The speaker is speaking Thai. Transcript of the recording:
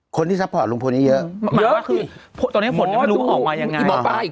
คนที่ซับพอร์ตลุงพลนี่เยอะเยอะหมายความว่าคือตอนนี้ผลไม่รู้ว่าออกมายังไง